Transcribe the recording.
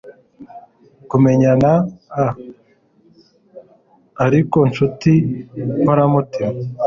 kumenyana! ah, ariko nshuti nkoramutima